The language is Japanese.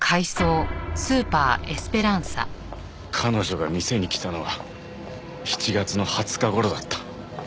彼女が店に来たのは７月の２０日頃だった。